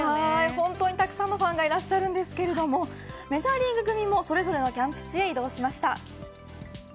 本当にたくさんのファンがいらっしゃるんですけれどもメジャーリーグ組もそれぞれのキャンプ地へ移動しました。